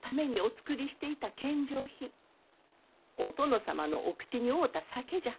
お殿様のお口に合うた酒じゃ。